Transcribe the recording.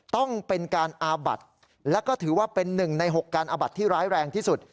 ต้องเป็นการอาบัดแล้วก็ถือว่าเป็น๑ใน๖การอาบัดที่ร้ายแรงที่สุด